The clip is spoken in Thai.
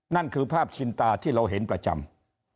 นั่นคือภาพชินตาที่เราเห็นประจำ